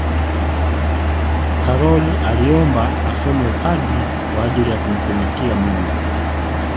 karol aliomba asome upadri kwa ajili ya kumtumikia mungu